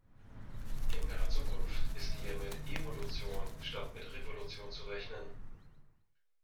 In naher Zukunft ist eher mit Evolution statt mit Revolution zu rechnen.